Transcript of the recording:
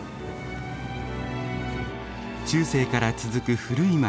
中世から続く古い街